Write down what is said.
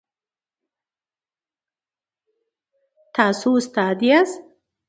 تاسو استاد یاست؟